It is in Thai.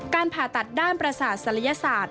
การผ่าตัดด้านปราศาสตร์ศัลยศาสตร์